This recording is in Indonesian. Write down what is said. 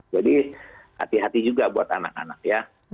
jadi hati hati juga buat anak anak ya